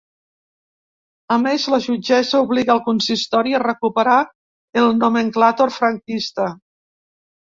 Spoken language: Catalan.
A més, la jutgessa obliga al consistori a recuperar el nomenclàtor franquista.